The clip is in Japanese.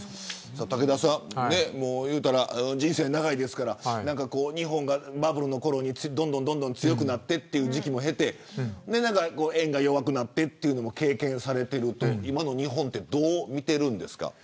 武田さん言うたら人生長いですから日本がバブルのころにどんどん強くなってという時期も経て円が弱くなって、というのも経験されていますが今の日本どう見ていますか。